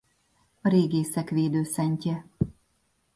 A régészek védőszentje.